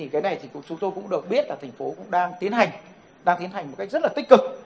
cái này thì chúng tôi cũng được biết là thành phố cũng đang tiến hành đang tiến hành một cách rất là tích cực